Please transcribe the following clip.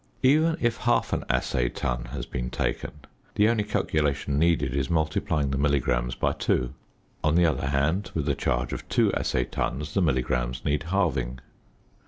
Even if half an assay ton has been taken the only calculation needed is multiplying the milligrams by two. On the other hand with a charge of two assay tons the milligrams need halving.